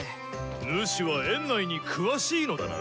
ヌシは園内に詳しいのだな？